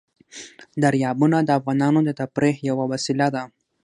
دریابونه د افغانانو د تفریح یوه وسیله ده.